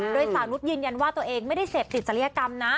โดยสาวนุษย์ยืนยันว่าตัวเองไม่ได้เสพติดจริยกรรมนะ